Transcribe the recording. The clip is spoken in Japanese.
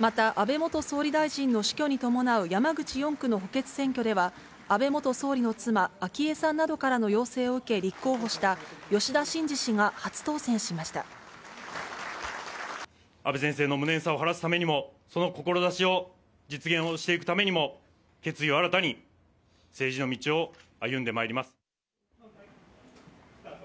また、安倍元総理大臣の死去に伴う山口４区の補欠選挙では、安倍元総理の妻、昭恵さんなどからの要請を受け、立候補した吉田真次氏が初当選し安倍先生の無念さを晴らすためにも、その志を実現をしていくためにも、決意を新たに、政治の道を歩んでまいります。